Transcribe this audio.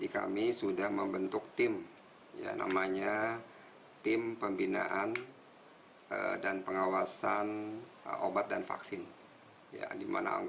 kami sudah membentuk tim ya namanya tim pembinaan dan pengawasan obat dan vaksin